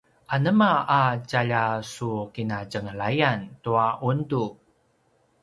anema a tjaljasukinatjenglayan tua ’undu?